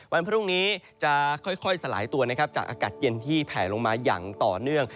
วันพรุ่งนี้จะค่อยสลายตัวนะครับจากอากาศเย็นที่แผลลงมาอย่างต่อเนื่อง